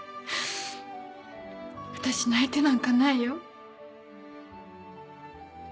私泣いてなんかないよ。